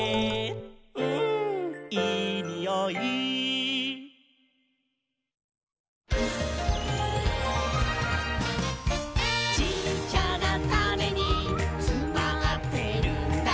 「うんいいにおい」「ちっちゃなタネにつまってるんだ」